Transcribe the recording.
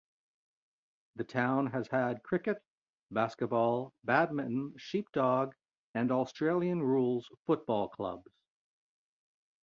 The town has had cricket, basketball, badminton, sheep dog and Australian rules football clubs.